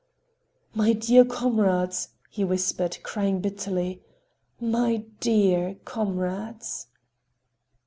"My dear comrades!" he whispered, crying bitterly. "My dear comrades!"